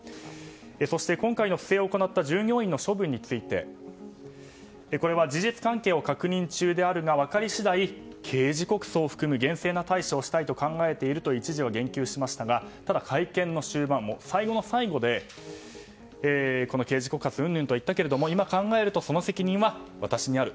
そして、今回不正を行った従業員の処分についてこれは事実関係を確認中であるが分かり次第刑事告訴を含む厳正な対処をしたいと一時は言及しましたがただ、会見の終盤最後の最後で刑事告発うんぬんと言ったけれども今、考えるとその責任は私にある。